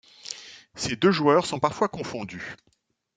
Ces deux joueurs sont parfois confondus.